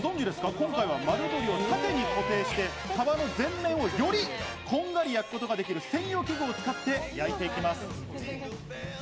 今回は丸鶏を縦に固定してよりこんがり焼くことができる専用の器具を使って焼いていきます。